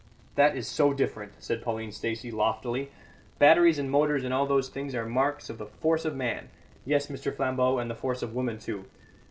"That is so different," said Pauline Stacey, loftily. "Batteries and motors and all those things are marks of the force of man yes, Mr. Flambeau, and the force of woman, too!